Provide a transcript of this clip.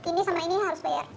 kini sama ini harus bayar